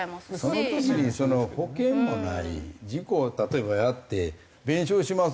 その時に保険もない事故を例えばやって弁償します